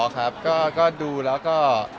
ครับก็ดูแล้วก็